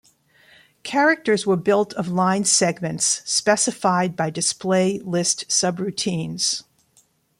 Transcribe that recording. Characters were built of line segments specified by display list subroutines.